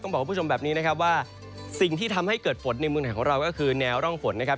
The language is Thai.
บอกคุณผู้ชมแบบนี้นะครับว่าสิ่งที่ทำให้เกิดฝนในเมืองไทยของเราก็คือแนวร่องฝนนะครับ